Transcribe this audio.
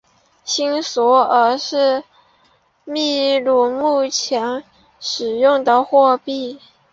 新索尔是秘鲁目前使用的货币。